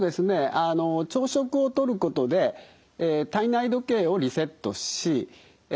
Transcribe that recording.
あの朝食をとることで体内時計をリセットしえ